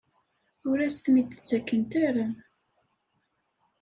Ur asen-ten-id-ttakent ara?